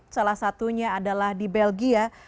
salah satunya adalah di belgia